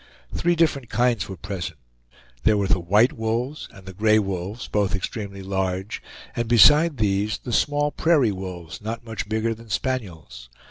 Three different kinds were present; there were the white wolves and the gray wolves, both extremely large, and besides these the small prairie wolves, not much bigger than spaniels.